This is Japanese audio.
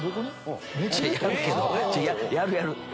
やるけどやるやる。